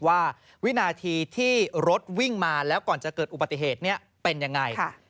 วินาทีที่รถวิ่งมาแล้วก่อนจะเกิดอุบัติเหตุนี้เป็นยังไง